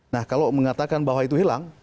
nah kalau mengatakan bahwa itu hilang